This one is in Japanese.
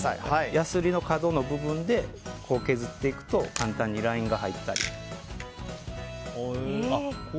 ヤスリの角の部分で削っていくと簡単にラインが入ったり。